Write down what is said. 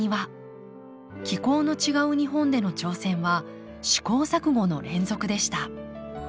気候の違う日本での挑戦は試行錯誤の連続でした。